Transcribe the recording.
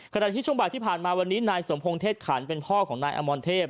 ขณะที่ช่วงบ่ายที่ผ่านมาวันนี้นายสมพงษ์เทศขันเป็นพ่อของนายอมรเทพ